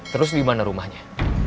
terus di mana rumahnya